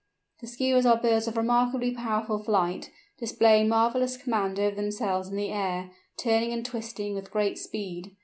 The Skuas are birds of remarkably powerful flight, displaying marvellous command over themselves in the air, turning and twisting with great speed.